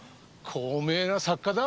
高名な作家だ？